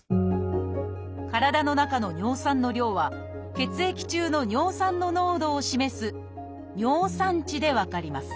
体の中の尿酸の量は血液中の尿酸の濃度を示す「尿酸値」で分かります。